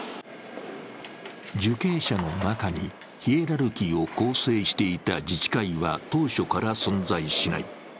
受刑者の中にヒエラルキーを構成していた自治会は当初から存在しない。